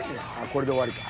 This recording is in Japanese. ［これで終わりか］